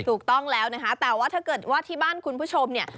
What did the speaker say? ถูกต้องแล้วนะคะแต่ว่าถ้าเกิดว่าที่บ้านคุณผู้ชมเนี่ย